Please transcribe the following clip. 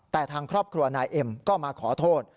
แต่ทางครอบครัวนายเอ็มก็มาขอโทษ